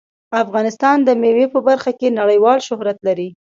افغانستان د مېوې په برخه کې نړیوال شهرت لري.